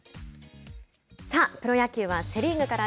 プロ野球はセ・リーグから。